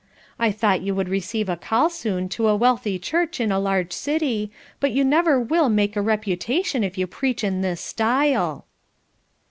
I thought you would receive a call soon to a wealthy church in a large city, but you never will make a reputation if you preach in this style."